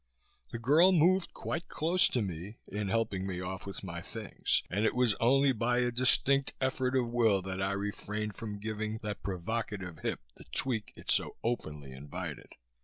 The girl moved quite close to me, in helping me off with my things and it was only by a distinct effort of will that I refrained from giving that provocative hip the tweak it so openly invited.